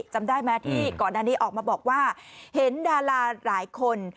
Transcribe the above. จำได้ไหมที่ก่อนหน้านี้ออกมาบอกว่าเห็นดาราหลายคน